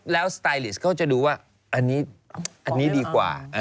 แล้วสไตลิสต์เขาจะดูว่าอันนี้ดีกว่า